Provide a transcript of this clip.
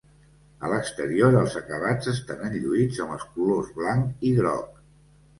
A l'exterior els acabats estan enlluïts amb els colors blanc i groc.